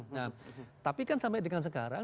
nah tapi kan sampai dengan sekarang